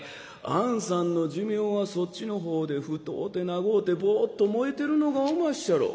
あんさんの寿命はそっちの方で太うて長うてボッと燃えてるのがおまっしゃろ。